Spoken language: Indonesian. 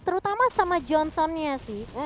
terutama sama johnson nya sih